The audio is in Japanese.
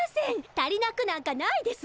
足りなくなんかないです！